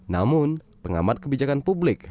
namun pengamat kebijakan publik